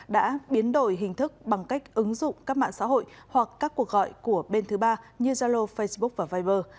đã biến đổi hình thức bằng cách ứng dụng các mạng xã hội hoặc các cuộc gọi của bên thứ ba như zalo facebook và viber